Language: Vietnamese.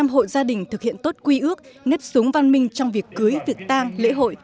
một trăm linh hộ gia đình thực hiện tốt quy ước nếp súng văn minh trong việc cưới việc tang lễ hội